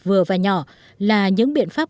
vừa và nhỏ là những biện pháp